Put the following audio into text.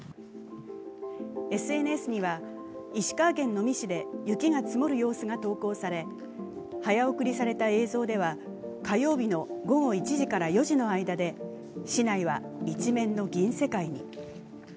ＳＮＳには、石川県能美市で雪が積もる様子が投稿され、早送りされた映像では火曜日の午後１時から４時の間で市内は一面の銀世界に。